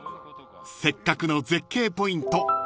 ［せっかくの絶景ポイント